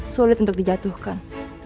sulit untuk dijatuhkan